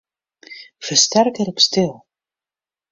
Fersterker op stil.